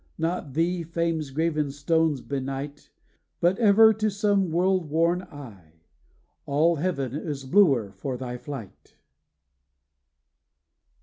Not thee Fame's graven stones benight; But ever, to some world worn eye, All Heaven is bluer for thy flight.